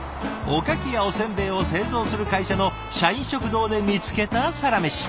おかきやお煎餅を製造する会社の社員食堂で見つけたサラメシ。